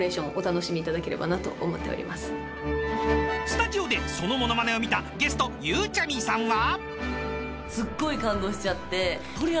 ［スタジオでそのモノマネを見たゲストゆうちゃみさんは？］